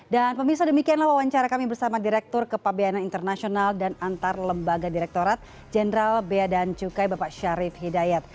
dan pemirsa demikianlah wawancara kami bersama direktur kepabianan internasional dan antarlembaga direktorat jenderal beacukai bapak syarif hidayat